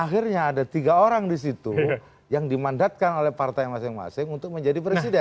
akhirnya ada tiga orang di situ yang dimandatkan oleh partai masing masing untuk menjadi presiden